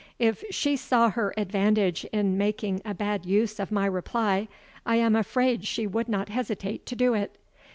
If she saw her advantage in making a bad use of my reply, I am afraid she would not hesitate to do it.